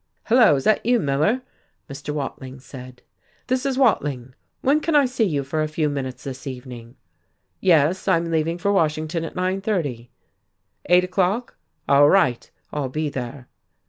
"Hello! Is that you, Miller?" Mr. Watling said. "This is Wading. When can I see you for a few minutes this evening? Yes, I am leaving for Washington at nine thirty. Eight o'clock. All right, I'll be there."